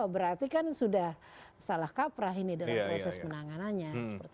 berarti kan sudah salah kaprah ini dalam proses penanganannya